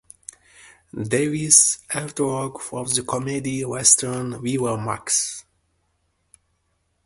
Davis' artwork for the comedy Western Viva Max!